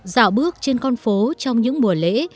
dạo bước trên con phố trong những mùa lễ